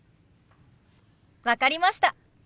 分かりました。